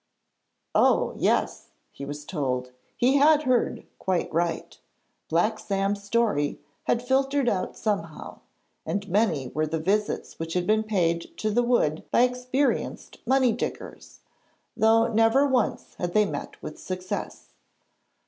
'Oh! yes,' he was told, 'he had heard quite right. Black Sam's story had filtered out somehow, and many were the visits which had been paid to the wood by experienced money diggers, though never once had they met with success.